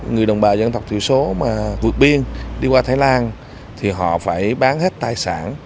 người đồng bào dân tộc thiểu số mà vượt biên đi qua thái lan thì họ phải bán hết tài sản